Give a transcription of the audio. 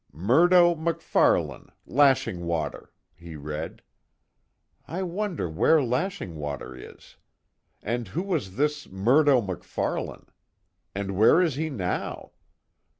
"Murdo MacFarlane, Lashing Water," he read, "I wonder where Lashing Water is? And who was this Murdo MacFarlane? And where is he now?